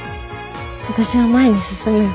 私は前に進むよ。